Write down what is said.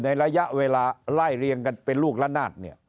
ในระยะเวลาไล่เรียงกันเป็นลูกละนาด